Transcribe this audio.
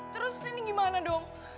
terus ini gimana dong